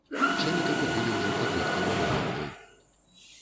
Сёлета купілі ўжо падлеткавы ровар ёй.